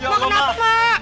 ya allah mak